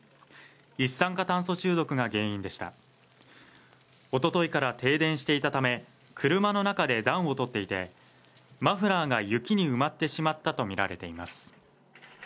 一酸化炭素中毒が原因でしたおとといから停電していたため車の中で暖をとっていてマフラーが雪に埋まってしまったと見られています